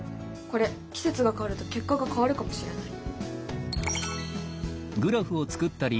これ季節が変わると結果が変わるかもしれない。